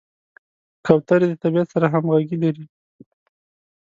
کوترې د طبیعت سره همغږي لري.